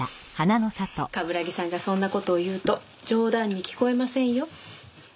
冠城さんがそんな事を言うと冗談に聞こえませんよ。